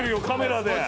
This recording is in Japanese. カメラで。